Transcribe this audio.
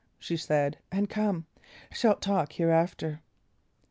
she said, "and come! Shalt talk hereafter."